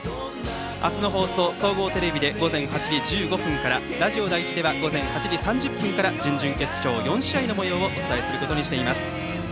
明日の放送、総合テレビで午前８時１５分からラジオ第１では午前８時３０分から準々決勝４試合のもようをお伝えすることにしています。